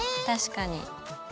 確かに。